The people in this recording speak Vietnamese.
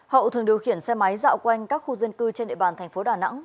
hậu thường điều khiển xe máy dạo quanh các khu dân cư trên địa bàn thành phố đà nẵng